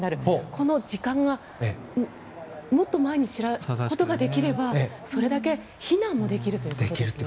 この時間がもっと前に知ることができればそれだけ避難もできるということですね。